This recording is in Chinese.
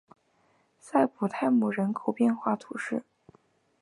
塞普泰姆人口变化图示